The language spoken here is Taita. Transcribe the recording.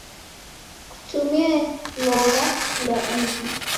Kutumie logha lwa ighi.